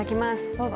どうぞ！